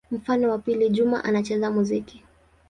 Mfano wa pili: Juma anacheza muziki.